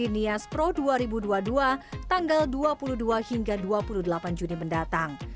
nias pro dua ribu dua puluh dua tanggal dua puluh dua hingga dua puluh delapan juni mendatang